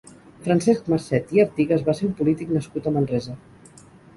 Francesc Marcet i Artigas va ser un polític nascut a Manresa.